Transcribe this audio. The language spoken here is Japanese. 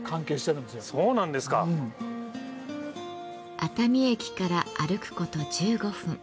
熱海駅から歩くこと１５分。